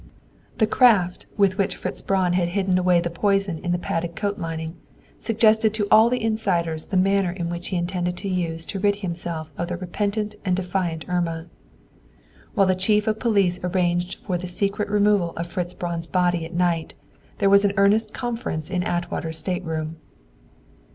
The craft with which Fritz Braun had hidden away the poison in the padded coat lining suggested to all the insiders the manner which he intended to use to rid himself of the repentant and defiant Irma. While the chief of police arranged for the secret removal of Fritz Braun's body at night, there was an earnest conference in Atwater's stateroom.